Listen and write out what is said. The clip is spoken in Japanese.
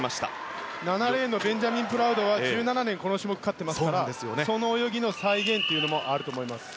７レーンのベンジャミン・プラウドは１７年この種目勝っていますからその泳ぎの再現もあると思います。